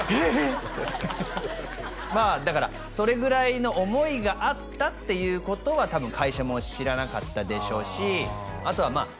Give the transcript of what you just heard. っつってまあだからそれぐらいの思いがあったっていうことは多分会社も知らなかったでしょうしあとはまあ